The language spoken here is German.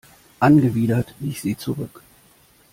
Angewidert wich sie zurück.